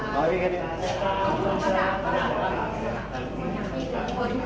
สุดท้ายก็ไม่มีเวลาที่จะรักกับที่อยู่ในภูมิหน้า